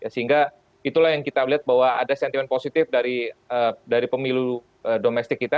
sehingga itulah yang kita lihat bahwa ada sentimen positif dari pemilu domestik kita